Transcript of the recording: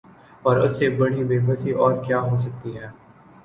اور اس سے بڑی بے بسی اور کیا ہو سکتی ہے